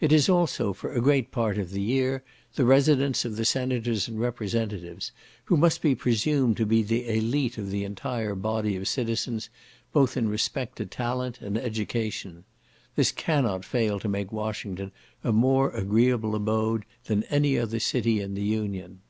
It is also, for a great part of the year, the residence of the senators and representatives, who must be presumed to be the elite of the entire body of citizens, both in respect to talent and education. This cannot fail to make Washington a more agreeable abode than any other city in the Union.